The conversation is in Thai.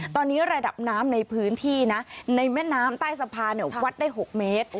ตอนนี้ระดับน้ำในพื้นที่นะในแม่น้ำใต้สะพานวัดได้๖เมตร